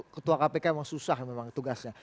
ketua kpk memang susah memang tugasnya